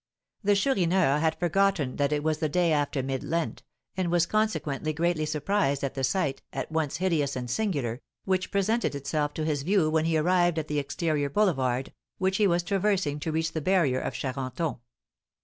The Chourineur had forgotten that it was the day after mid Lent, and was consequently greatly surprised at the sight, at once hideous and singular, which presented itself to his view when he arrived at the exterior boulevard, which he was traversing to reach the barrier of Charenton.